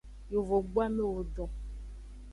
Yovogbu amewo don.